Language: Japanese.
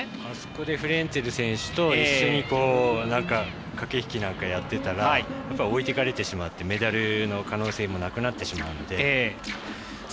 あそこでフレンツェル選手と一緒に駆け引きなんかやってたら置いてかれてしまってメダルの可能性もなくなってしまうので。